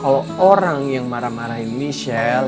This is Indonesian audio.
kalau orang yang marah marahin michelle